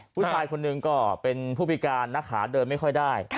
ผู้ชายคนหนึ่งก็เป็นผู้พิการนักขาเดินไม่ค่อยได้